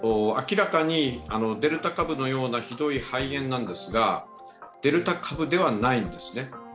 明らかにデルタ株のようなひどい肺炎なんですが、デルタ株ではないんですね。